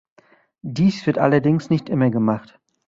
Dies wird allerdings nicht immer gemacht.